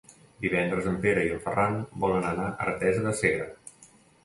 Divendres en Pere i en Ferran volen anar a Artesa de Segre.